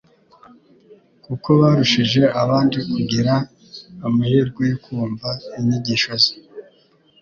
kuko barushije abandi kugira amahirwe yo kumva inyigisho ze,